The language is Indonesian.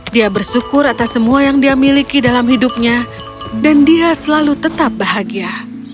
dia bersyukur atas semua yang dia miliki dalam hidupnya dan dia selalu tetap bahagia